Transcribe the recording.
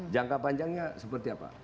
jangka panjangnya seperti apa